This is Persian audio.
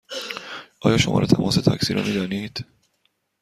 آیا شماره تماس تاکسی را می دانید؟